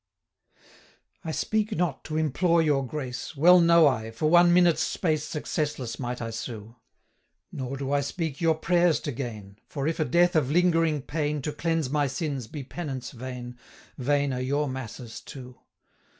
'I speak not to implore your grace, 495 Well know I, for one minute's space Successless might I sue: Nor do I speak your prayers to gain; For if a death of lingering pain, To cleanse my sins, be penance vain, 500 Vain are your masses too.